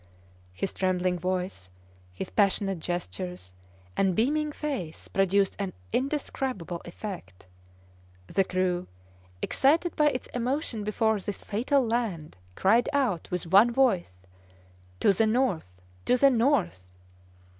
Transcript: His trembling voice, his passionate gestures and beaming face, produced an indescribable effect. The crew, excited by its emotion before this fatal land, cried out with one voice: "To the north! To the north!"